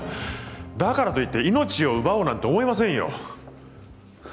だからといって命を奪おうなんて思いませんよ。